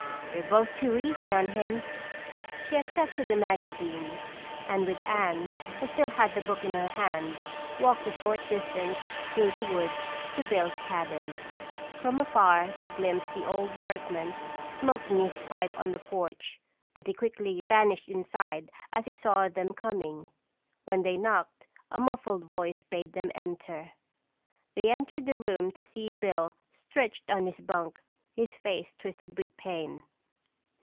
You're both too easy on him." She accepted the magazines, and with Anne, who still had the book in her hand, walked a short distance through the woods to Bill's cabin. From afar they glimpsed the old workman smoking his pipe on the porch but he quickly vanished inside as he saw them coming. When they knocked, a muffled voice bade them enter. They entered the room to see Bill stretched on his bunk, his face twisted with pain.